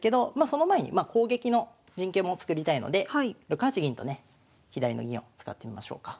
その前に攻撃の陣形も作りたいので６八銀とね左の銀を使ってみましょうか。